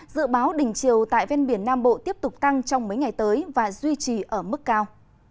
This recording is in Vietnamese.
dự báo đỉnh chiều tại ven biển nam bộ tiếp tục tăng trong mấy ngày tới và duy trì ở mức cao